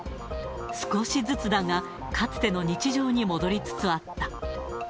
少しずつだがかつての日常に戻りつつあった。